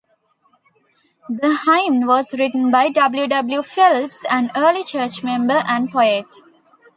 The hymn was written by W. W. Phelps, an early church member and poet.